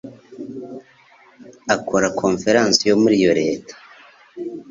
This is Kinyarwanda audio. akora Konferansi yo muri iyo Leta